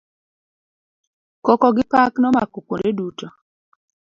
Koko gi pak nomako kuonde duto.